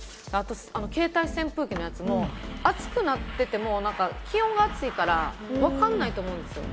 携帯扇風機のやつも熱くなってても、気温が暑いから、わかんないと思うんですよ。